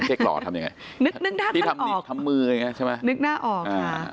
เก๊กหล่อทำยังไงนึกหน้าออก